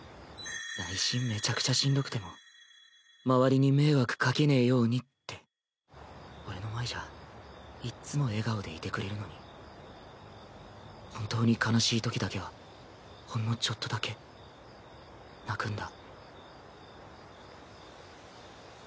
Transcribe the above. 内心めちゃくちゃしんどくても周りに迷惑かけねぇようにって俺の前じゃいっつも笑顔でいてくれるのに本当に悲しいときだけはほんのちょっとだけ泣くんだ。